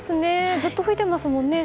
ずっと吹いていますものね。